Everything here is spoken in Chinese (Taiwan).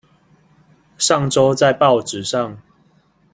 上週在報紙上